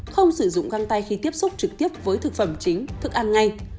không sử dụng găng tay khi tiếp xúc trực tiếp với thực phẩm chính thức ăn ngay